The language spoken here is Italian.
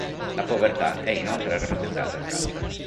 La Povertà è inoltre rappresentata scalza.